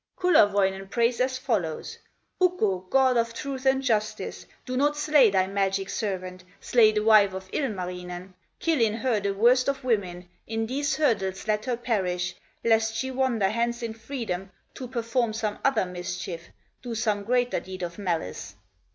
Kullerwoinen prays as follows: "Ukko, God of truth and justice. Do not slay thy magic servant, Slay the wife of Ilmarinen, Kill in her the worst of women, In these hurdles let her perish, Lest she wander hence in freedom, To perform some other mischief, Do some greater deed of malice!"